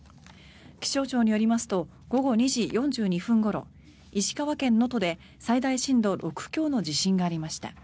気象庁によりますと午後２時４２分ごろ石川県能登で最大震度６強の地震がありました。